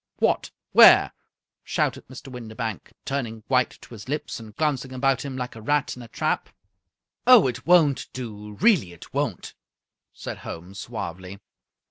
"What! where?" shouted Mr. Windibank, turning white to his lips, and glancing about him like a rat in a trap. " Oh, it won't do — ^really it won't," said Holmes, suavely.